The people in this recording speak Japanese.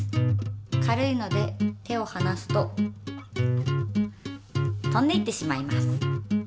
軽いので手をはなすと飛んでいってしまいます。